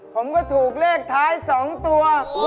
ผมก็ถูกเลขท้าย๒ตัว